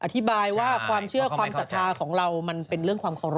อธิบายว่าความเชื่อความศรัทธาของเรามันเป็นเรื่องความเคารพ